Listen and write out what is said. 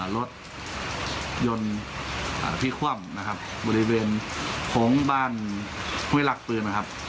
รถยนต์ที่คว่ำนะครับบริเวณโค้งบ้านห้วยหลักปืนนะครับ